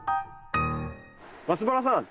松原さん